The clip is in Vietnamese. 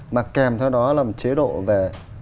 mà kèm theo đó là một chế độ về